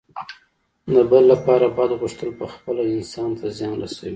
د بل لپاره بد غوښتل پخپله انسان ته زیان رسوي.